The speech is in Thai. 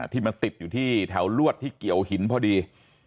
ที่มันติดอยู่ที่แถวลวดที่เกี่ยวหินพอดี